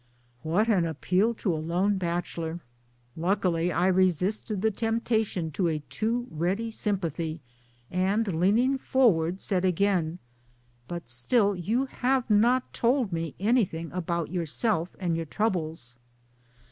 " What an appeal to a lone bachelor ! Luckily I resisted the temptation to a too ready sympathy, and leaning forward said again, " But still you have not told me anything about yourself and your troubles."